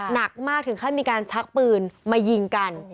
หนักมากถึงขั้นมีการชักปืนมายิงกัน